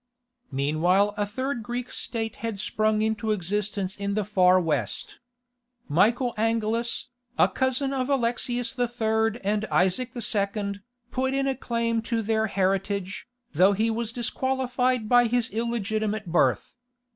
Meanwhile a third Greek state had sprung into existence in the far West. Michael Angelus, a cousin of Alexius III. and Isaac II., put in a claim to their heritage, though he was disqualified by his illegitimate birth.